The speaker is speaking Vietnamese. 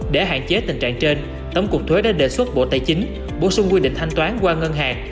để hạn chế tình trạng trên tổng cục thuế đã đề xuất bộ tài chính bổ sung quy định thanh toán qua ngân hàng